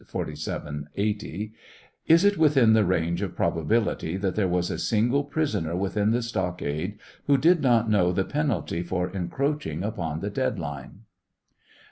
4780 :) Is it within the range of probability that there was a single prisoner within the stockade who did not know the penalty for encroaching upon the dead line